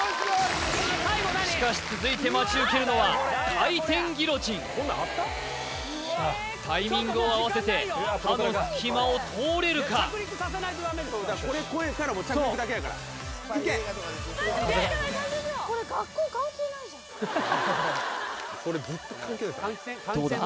しかし続いて待ち受けるのはタイミングを合わせて刃の隙間を通れるかよしよし風がどうだ？